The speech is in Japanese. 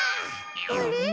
あれ？